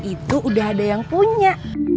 itu udah ada yang punya